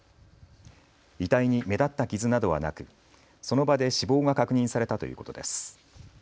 遺体に目立った傷などはなくその場で死亡が確認されたということです。